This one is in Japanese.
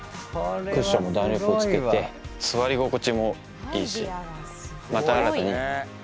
クッションも弾力をつけて座り心地もいいし。